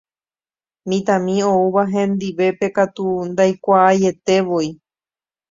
Mitãmi oúva hendivépe katu ndaikuaaietevoi.